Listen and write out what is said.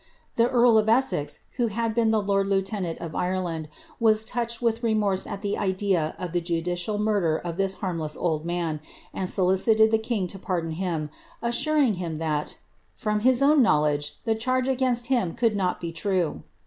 The earl of Essex, who had been lord lieutenant of Ireland, was ttmched with remorse at the idea of the judicial mnrderof til is harmless old man, and solicite<l tlie king to pardon him, assnnr|{ him that, ^* from liis own knowledge, the charge against him could not be true."